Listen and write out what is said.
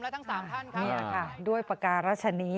เพราะคุณท้อง๘เดือนคุณยังสู้อย่างนี้